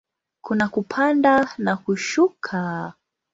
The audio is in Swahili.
Kuna kupanda na kushuka.